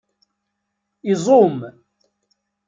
Iẓum